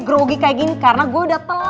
eh gue grogi kaya gini karna gue udah telat